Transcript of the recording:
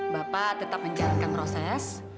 bapak tetap menjalankan proses